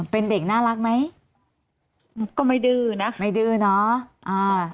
เป็นเด็กน่ารักไหมก็ไม่ดื้อนะไม่ดื้อเนอะอ่า